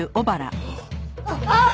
あっ！